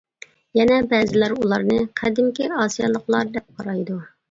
يەنە بەزىلەر ئۇلارنى قەدىمكى ئاسىيالىقلار دەپ قارايدۇ.